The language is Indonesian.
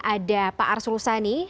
ada pak arsul sani